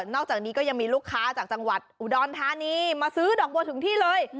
อกจากนี้ก็ยังมีลูกค้าจากจังหวัดอุดรธานีมาซื้อดอกบัวถึงที่เลย